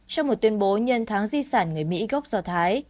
trong một tuyên bố nhân tháng di sản người mỹ gốc do thái